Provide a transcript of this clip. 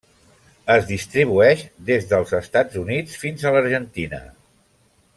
Es distribueix des dels Estats Units fins a l'Argentina.